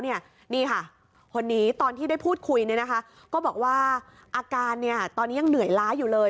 นี่ค่ะคนนี้ตอนที่ได้พูดคุยก็บอกว่าอาการตอนนี้ยังเหนื่อยล้าอยู่เลย